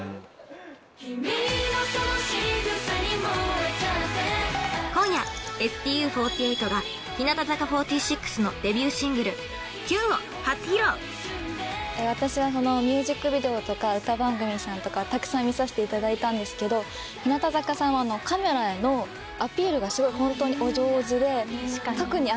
君のその仕草に萌えちゃって今夜 ＳＴＵ４８ が私はミュージックビデオとか歌番組さんとかたくさん見させていただいたんですけど日向坂さんはカメラへのアピールがホントにお上手で特に。